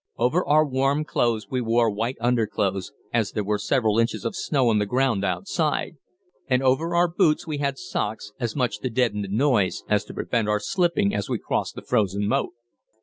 Over our warm clothes we wore white underclothes, as there were several inches of snow on the ground outside; and over our boots we had socks, as much to deaden the noise as to prevent our slipping as we crossed the frozen moat.